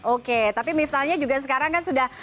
oke tapi mifta nya juga sekarang kan sudah